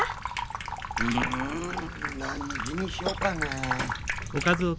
うん何時にしようかねえ。